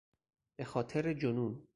به خاطر جنون